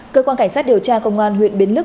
cơ quan cảnh sát điều tra công an huyện biến lức